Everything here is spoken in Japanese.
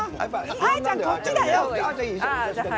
あーちゃん、こっちだよ！